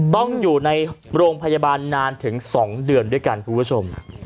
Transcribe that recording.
ต้องอยู่ในโรงพยาบาลนานถึง๒เดือนด้วยกันคุณผู้ชม